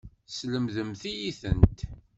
Teslemdemt-iyi-tent.